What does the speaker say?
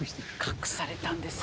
隠されたんです。